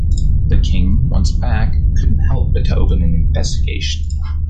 The king, once back, couldn’t help but to open an investigation.